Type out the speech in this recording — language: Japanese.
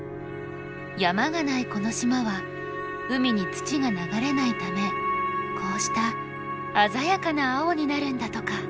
山がないこの島は海に土が流れないためこうした鮮やかな青になるんだとか。